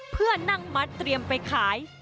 เพื่อนั่งมัดเตรียมไปขาย